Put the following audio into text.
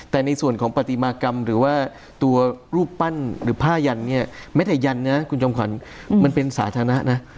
แต่ในส่วนของปฏิมากรรมหรือว่าตัวรูปปั้นหรือผ้ายันเนี่ยไม่ได้ยันนะคุณจอมขวัญมันเป็นสาธารณะนะ